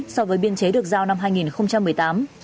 so với biên chế được giao năm hai nghìn một mươi tám